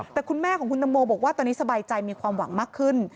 แต่คุณแม่ของคุณตังโมบอกว่าตอนนี้สบายใจมีความหวังมากขึ้น